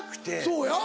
そうや。